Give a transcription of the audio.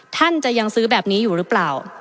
ท่านจะยังซื้อแบบนี้อยู่หรือเปล่า